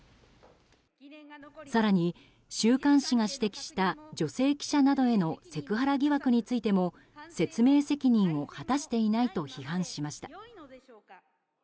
更に週刊誌が指摘した女性記者へのセクハラ疑惑に対しても説明責任を果たしていないと批判しました。